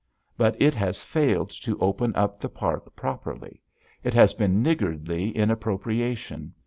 But it has failed to open up the park properly. It has been niggardly in appropriation.